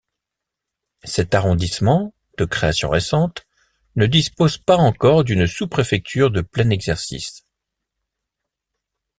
Cet arrondissement, de création récente, ne dispose pas encore d'une sous-préfecture de plein exercice.